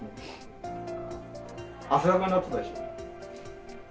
汗だくになってたでしょ。